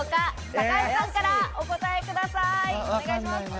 高橋さんからお答えください。